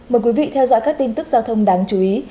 mời quý vị theo dõi các tin tức giao thông đáng chú ý